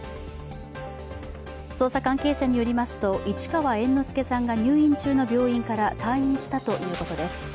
捜査関係者によりますと、市川猿之助さんが入院中の病院から退院したということです。